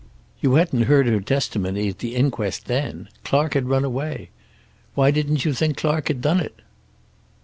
You hadn't heard her testimony at the inquest then. Clark had run away. Why didn't you think Clark had done it?"